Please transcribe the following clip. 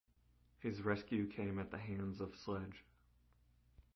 His rescue came at the hands of Sledge.